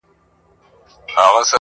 هر څوک له بل لرې دي,